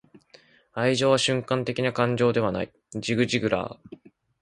愛情は瞬間的な感情ではない.―ジグ・ジグラー―